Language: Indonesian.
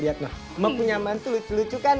lihatlah emak punya maem tuh lucu lucu kan